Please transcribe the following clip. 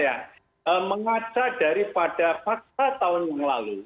ya jadi gini mbak arifaya mengacau daripada fakta tahun yang lalu